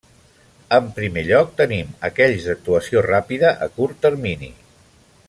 En primer lloc, tenim aquells d'actuació ràpida a curt termini.